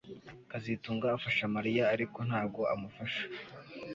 kazitunga afasha Mariya ariko ntabwo amufasha